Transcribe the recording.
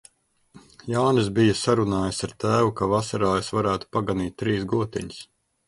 Jānis bija sarunājis ar tēvu, ka vasarā es varētu paganīt trīs gotiņas.